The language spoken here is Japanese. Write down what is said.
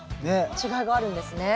違いがあるんですね。